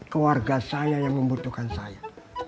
ke warga saya yang membutuhkan saya